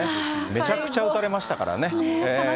めちゃくちゃ打たれましたからね。